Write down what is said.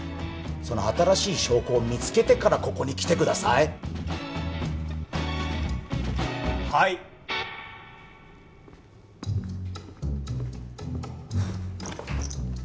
その新しい証拠を見つけてからここに来てくださいはいッ！